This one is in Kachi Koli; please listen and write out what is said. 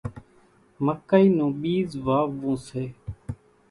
مڪئِي نون ٻيز واوون سي۔